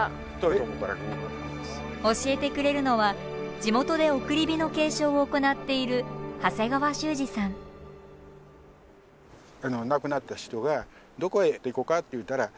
教えてくれるのは地元で送り火の継承を行っているそういうことですね。